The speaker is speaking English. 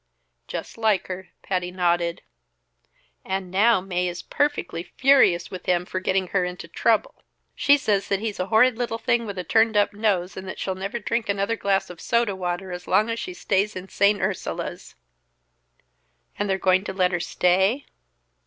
"Just like her," Patty nodded. "And now Mae is perfectly furious with him for getting her into trouble. She says that he's a horrid little thing with a turn up nose, and that she'll never drink another glass of soda water as long as she stays in St. Ursula's." "And they're going to let her stay?"